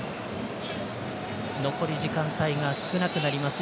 残り時間帯が少なくなります。